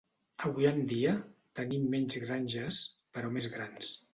Avui en dia, tenim menys granges, però més grans.